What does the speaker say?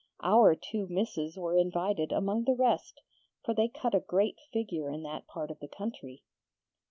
Our two misses were invited among the rest, for they cut a great figure in that part of the country.